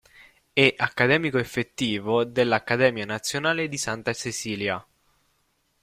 È "Accademico effettivo" dell'Accademia Nazionale di Santa Cecilia.